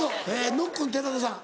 ノッコン寺田さん。